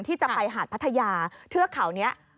ที่จะไปหาดพัทยาเทือกเขานี้